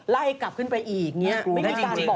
ไล่กลับขึ้นไปอีกนี้ครู